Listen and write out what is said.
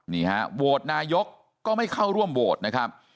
นี่ฮะโหวตนายกก็ไม่เข้าร่วมโหวตนะครับ